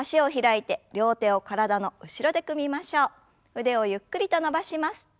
腕をゆっくりと伸ばします。